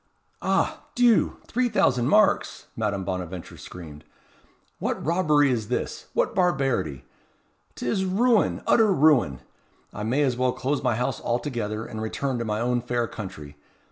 "Ah! Dieu! three thousand marks!" Madame Bonaventure screamed. "What robbery is this! what barbarity! 'T is ruin utter ruin! I may as well close my house altogether, and return to my own fair country.